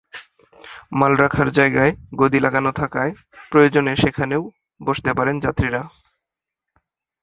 মাল রাখার জায়গায় গদি লাগানো থাকায় প্রয়োজনে সেখানেও বসতে পারেন যাত্রীরা।